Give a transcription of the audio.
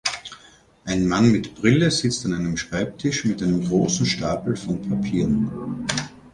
Ein Mann mit Brille sitzt an einem Schreibtisch mit einem großen Stapel von Papieren.